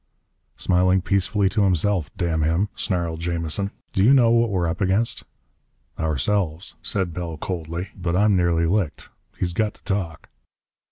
"Smiling peacefully to himself, damn him!" snarled Jamison. "Do you know what we're up against?" "Ourselves," said Bell coldly. "But I'm nearly licked. He's got to talk!"